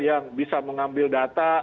yang bisa mengambil data